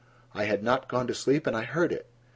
I had not gone to sleep, and I heard it.